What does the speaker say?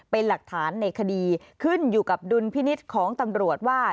เป็นหลักฐานในคดีขึ้นอยู่กับดุลพินิษฐ์ของตำรวจว่า